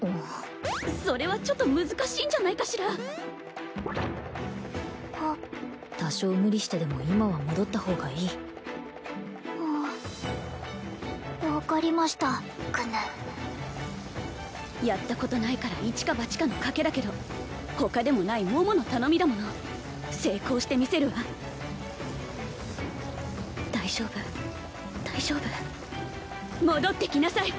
それはちょっと難しいんじゃないかしらあっ多少無理してでも今は戻った方がいい分かりましたやったことないからいちかばちかの賭けだけど他でもない桃の頼みだもの成功してみせるわ大丈夫大丈夫戻ってきなさい